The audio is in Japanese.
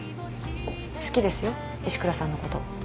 好きですよ石倉さんのこと。